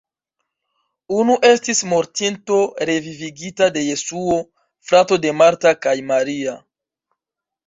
Unu estis mortinto revivigita de Jesuo, frato de Marta kaj Maria.